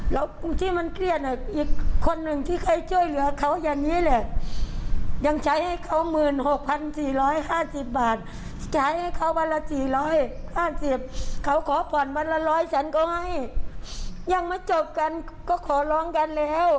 บีบกดดันทุกอย่างไอนทำให้เขาถูกบ็อกสมองฉันทุกอย่างเลย